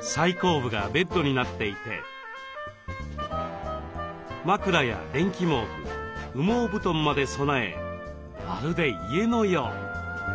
最後部がベッドになっていて枕や電気毛布羽毛布団まで備えまるで家のよう。